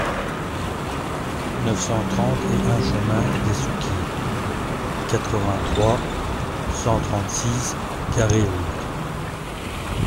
neuf cent trente et un chemin des Souquiers, quatre-vingt-trois, cent trente-six, Garéoult